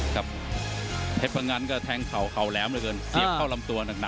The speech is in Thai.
ครับเห็นบางงานก็แทงเข่าเข่าแหลมเลยเกินเสียเข้าลำตัวหนักหนัก